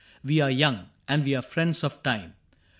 We are young, And we are friends of time.